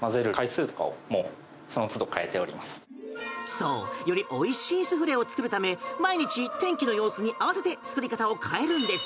そうよりおいしいスフレを作るため毎日、天気の様子に合わせて作り方を変えるんです。